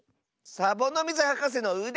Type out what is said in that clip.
サボノミズはかせのうで！